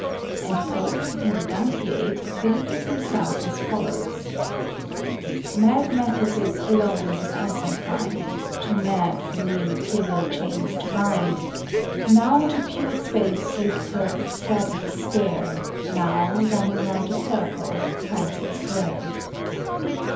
And Pope in the "Dunciad" delivers himself as follows : Mad Mathesis alone was unconfined, Too mad for mere material chains to bind, Now to pure space lifts her ecstatic stare, Now, running round the circle, finds it square.